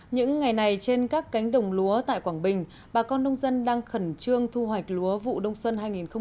những ngày này trên các cánh đồng lúa tại quảng bình bà con nông dân đang khẩn trương thu hoạch lúa vụ đông xuân hai nghìn một mươi hai nghìn hai mươi